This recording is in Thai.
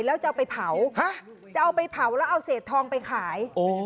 แล้วจะเอาไปเผาจะเอาไปเผาแล้วเอาเศษทองไปขาย